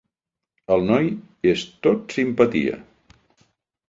El noi és tot simpatia.